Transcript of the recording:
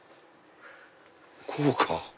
こうか！